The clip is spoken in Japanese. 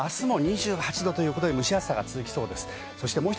あすも２８度ということで蒸し暑さが続きそうです。